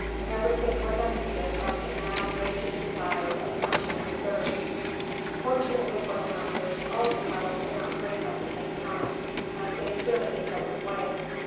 Everything was unheeded but the mad raging desire of quenching their thirst. Fortunately for the hunters, all their cattle could not drink at the same time, as they stood in each others' way.